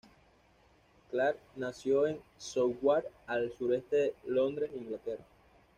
Clare nació en Southwark, al sureste de Londres, Inglaterra.